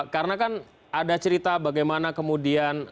karena kan ada cerita bagaimana kemudian